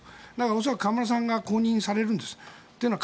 恐らく、河村さんが公認されるんです。